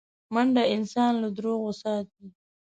منډه انسان له دروغو ساتي